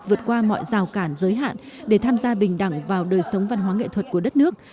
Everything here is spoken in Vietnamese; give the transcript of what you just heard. vượt qua mọi rào cản giới hạn để tham gia bình đẳng vào đời sống văn hóa nghệ thuật của đất nước